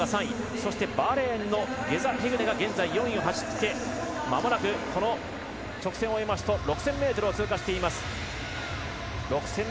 そしてバーレーンのゲザヘグネが現在４位を走って直線を終えますと６０００ｍを通過します。